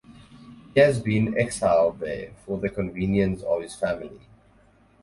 He has been exiled there for the convenience of his family.